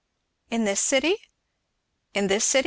"In this city?" "In this city?